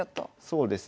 そうですね。